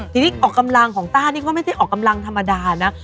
ทีนี้ออกกำลังของต้านี่ก็ไม่ได้ออกกำลังธรรมดานะ